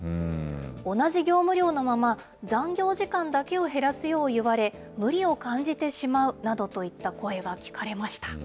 同じ業務量のまま、残業時間だけを減らすよう言われ、無理を感じてしまうなどといった声が聞かれました。